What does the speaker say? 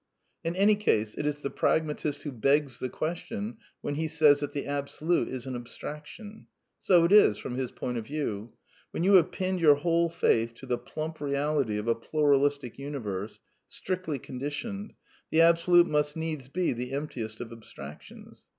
In any case, it is the pragmatist who begs the question when he says that the Absolute is an abstraction. So it is, from his point of view. When you have pinned your whole faith to the plump reality of a pluralistic universe, strictly conditioned, the Absolute must needs be the emptiest of abstractions.